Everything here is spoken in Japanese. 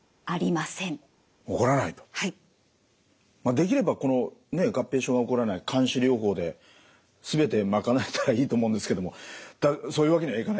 できればこの合併症が起こらない監視療法で全て賄えたらいいと思うんですけどもそういうわけにはいかないんですよね？